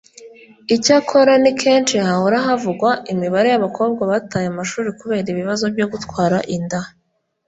Icyakora ni kenshi hahora havugwa imibare y’abakobwa bataye amashuri kubera ibibazo byo gutwara inda